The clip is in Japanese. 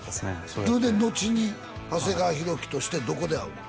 それでのちに長谷川博己としてどこで会うの？